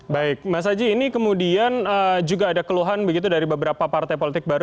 baik mas aji ini kemudian juga ada keluhan begitu dari beberapa partai politik baru